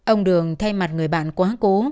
ông đường thay mặt người bạn quá cố